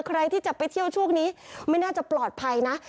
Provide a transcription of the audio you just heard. ใครที่จะไปเที่ยวช่วงนี้ไม่น่าจะปลอดภัยนะ